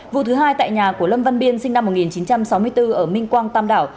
vụ thứ hai tại nhà của lâm văn biên sinh năm một nghìn chín trăm sáu mươi bốn ở minh quang tam đảo